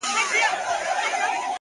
خدايه هغه زما د کور په لار سفر نه کوي ـ